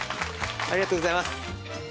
ありがとうございます。